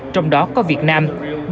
trong đó có việt nam